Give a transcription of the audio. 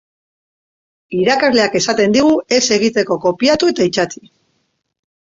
Irakasleak esaten digu ez egiteko kopiatu eta itsatsi.